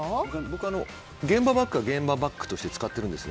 僕は現場バッグは現場バッグとして使ってるんです。